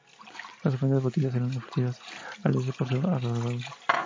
Las ofrendas votivas eran ofrecidas a los dioses por sus adoradores.